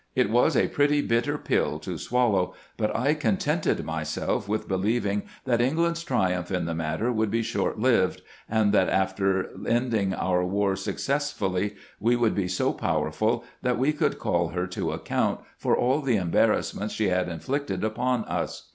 It was a pretty bitter pill to swallow, but I contented myself with be lieving that England's triumph in the matter would be short lived, and that after ending our war successfully we would be so powerful that we could call her to ac count for all the embarrassments she had inflicted upon us.